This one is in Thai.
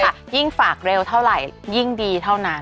ยิ่งฝากเร็วเท่าไหร่ยิ่งดีเท่านั้น